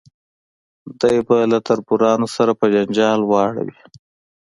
دی به له تربورانو سره په جنجال واړوي.